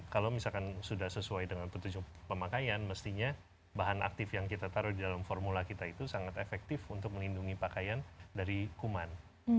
kalau misalkan sudah sesuai dengan petunjuk pemakaian mestinya bahan aktif yang kita taruh di dalam formula kita itu sangat efektif untuk melindungi pakaian dari kuman